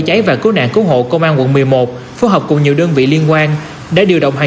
chiến đấu nạn cứu hộ công an quận một mươi một phù hợp cùng nhiều đơn vị liên quan đã điều động hàng